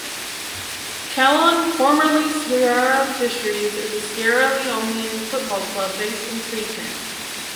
Kallon, formerly Sierra Fisheries, is a Sierra Leonean football club based in Freetown.